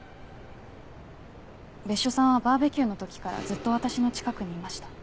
別所さんはバーベキューの時からずっと私の近くにいました。